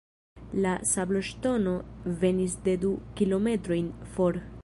La sabloŝtono venis de du kilometrojn for.